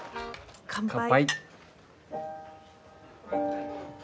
乾杯。